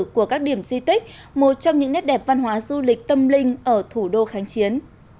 của các điểm di tích một trong những nét đẹp văn hóa du lịch tâm linh ở thủ đô kháng chiến